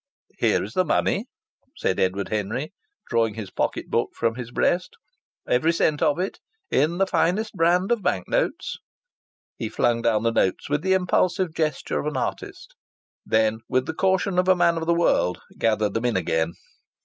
"Here is the money," said Edward Henry, drawing his pocket book from his breast. "Every cent of it, in the finest brand of bank notes!" He flung down the notes with the impulsive gesture of an artist; then, with the caution of a man of the world, gathered them in again.